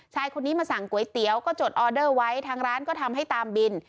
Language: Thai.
ชายคนนี้มาสั่งก๋วยเตี๋ยวก็จดออเดอร์ไว้ทางร้านก็ทำให้ตามบิน